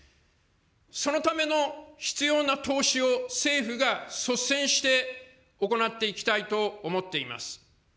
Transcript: そのための必要な投資を政府が率先して行っていきたいと思っています。